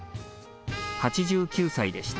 ８９歳でした。